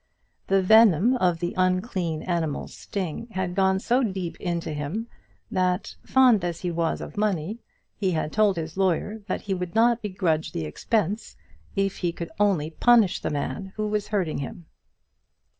The venom of the unclean animal's sting had gone so deep into him, that, fond as he was of money, he had told his lawyer that he would not begrudge the expense if he could only punish the man who was hurting him.